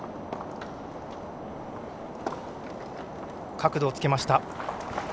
角度をつけました。